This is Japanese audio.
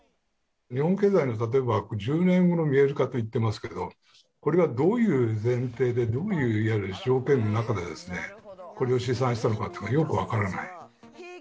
日本経済の例えば１０年後の見える化と言ってますけどこれはどういう前提でどういういわゆる条件のなかでですねこれを試算したのかっていうのがよくわからない。